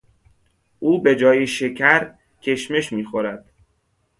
او به جای شکر کشمش میخورد.